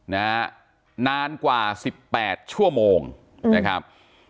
นานกว่าสิบแปดชั่วโมงนะครับ